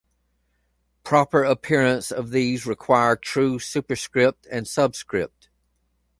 Proper appearance of these requires true superscript and subscript.